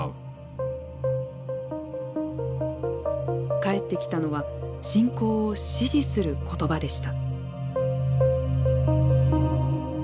返ってきたのは侵攻を支持する言葉でした。